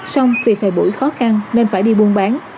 xong vì thời buổi khó khăn nên phải đi buôn bán